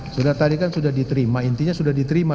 sudah tadi kan sudah diterima intinya sudah diterima